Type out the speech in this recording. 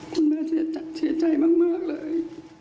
คุณแม่เสียใจมากเลย